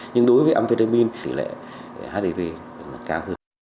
nhưng đối với amphetamine tỷ lệ hiv cao hơn